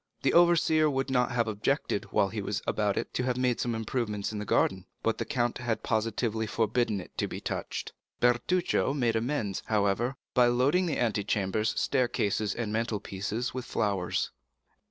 The overseer would not have objected, while he was about it, to have made some improvements in the garden, but the count had positively forbidden it to be touched. Bertuccio made amends, however, by loading the antechambers, staircases, and mantle pieces with flowers.